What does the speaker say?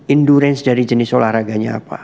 endurance dari jenis olahraganya apa